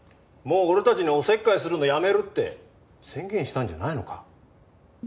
もう俺たちにおせっかいするのやめるって宣言したんじゃないのか？